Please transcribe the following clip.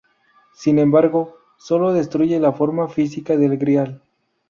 Sin embargo, sólo destruye la forma física del grial.